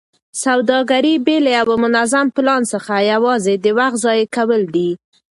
سوداګري بې له یوه منظم پلان څخه یوازې د وخت ضایع کول دي.